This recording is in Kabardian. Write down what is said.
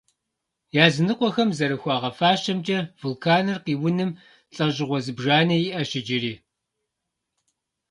Языныкъуэхэм зэрыхуагъэфащэмкӏэ, вулканыр къиуным лӏэщӏыгъуэ зыбжанэ иӏэщ иджыри.